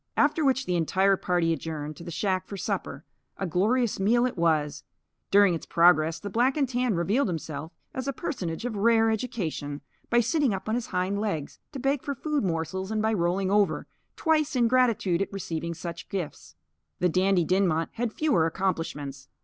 After which the entire party adjourned to the shack for supper. A glorious meal it was. During its progress, the black and tan revealed himself as a personage of rare education by sitting up on his hind legs to beg for food morsels and by rolling over, twice, in gratitude at receiving such gifts. The Dandy Dinmont had fewer accomplishments.